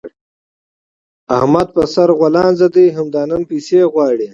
احمد په سره غولانځ دی؛ همدا نن پيسې غواړي.